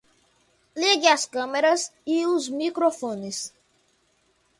Ligue as câmeras e microfones